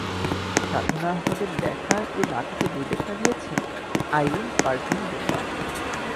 সাধনা আহমদের লেখা এ নাটকের নির্দেশনা দিয়েছেন আইরিন পারভিন লোপা।